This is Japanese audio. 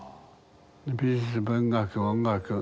美術文学音楽